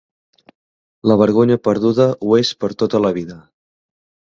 La vergonya perduda ho és per tota la vida.